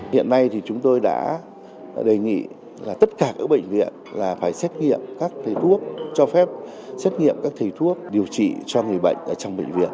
hiện nay chúng tôi đã đề nghị tất cả các bệnh viện phải xét nghiệm các thầy thuốc cho phép xét nghiệm các thầy thuốc điều trị cho người bệnh trong bệnh viện